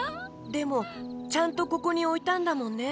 でもちゃんとここにおいたんだもんね。